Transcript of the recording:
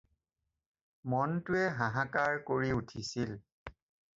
মনটোৱে হাহাকাৰ কৰি উঠিছিল।